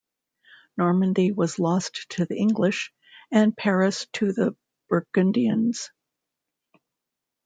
Normandy was lost to the English and Paris to the Burgundians.